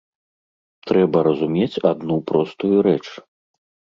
Трэба разумець адну простую рэч.